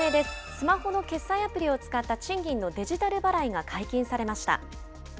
スマホの決済アプリを使った、賃金のデジタル払いが解禁されました。